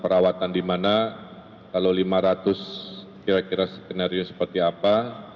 perawatan di mana kalau lima ratus kira kira skenario seperti apa